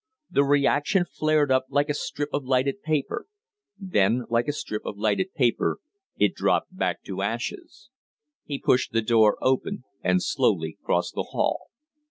The reaction flared up like a strip of lighted paper; then, like a strip of lighted paper, it dropped back to ashes. He pushed the door open and slowly crossed the hall.